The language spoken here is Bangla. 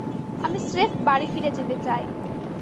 আমি স্রেফ বাড়ি ফিরে যেতে চাই।